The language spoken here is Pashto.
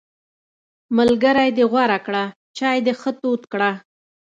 ملګری دې غوره کړه، چای دې ښه تود کړه!